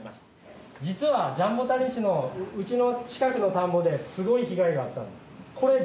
実はジャンボタニシのうちの近くの田んぼですごい被害があったんです。